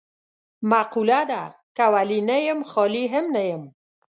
مقوله ده: که ولي نه یم خالي هم نه یم.